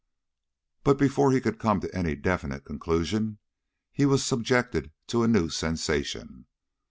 But before he could come to any definite conclusion, he was subjected to a new sensation.